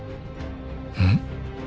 うん？